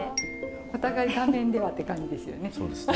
お互い画面ではって感じですよね？